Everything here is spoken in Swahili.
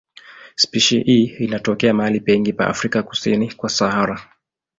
Spishi hii inatokea mahali pengi pa Afrika kusini kwa Sahara.